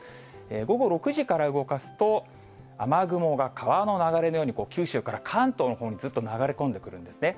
午後６時から動かすと、雨雲が川の流れのように九州から関東のほうにずっと流れ込んでくるんですね。